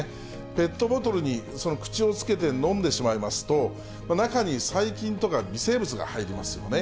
ペットボトルに、その口をつけて飲んでしまいますと、中に細菌とか微生物が入りますよね。